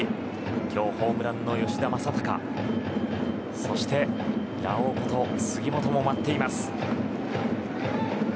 今日、ホームランの吉田正尚そしてラオウこと杉本も待っています。